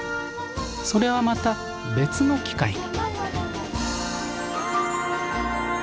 それはまた別の機会に。